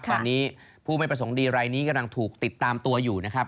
ตอนนี้ผู้ไม่ประสงค์ดีรายนี้กำลังถูกติดตามตัวอยู่นะครับ